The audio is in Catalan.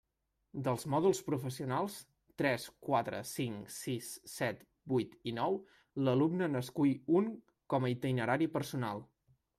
Dels mòduls professionals tres, quatre, cinc, sis, set, vuit i nou l'alumne n'escull un com a itinerari personal.